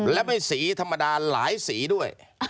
และไม่สีธรรมดาหลายสีด้วย